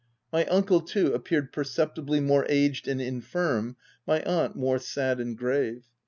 My uncle too appeared perceptibly more aged and infirm, my aunt more sad and grave.